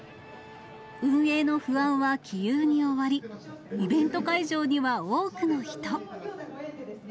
運営の不安はき憂に終わり、イベント会場には多くの人。